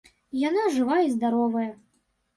Яна жыва і здаровая.